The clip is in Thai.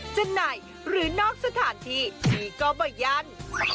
จะไหนหรือนอกสถานที่พี่ก็บ่ยัน